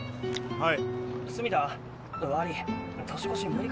はい。